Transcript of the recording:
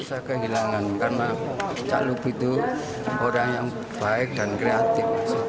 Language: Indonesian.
saya kehilangan karena calub itu orang yang baik dan kreatif